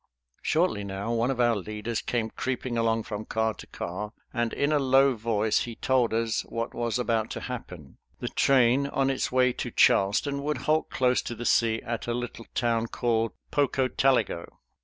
Shortly now one of our leaders came creeping along from car to car, and in a low voice he told us what was about to happen. The train on its way to Charleston would halt close to the sea at a little town called Pocotaligo.